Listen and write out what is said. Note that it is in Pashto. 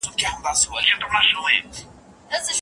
موږ له هندوستان سره سوداګري کوله.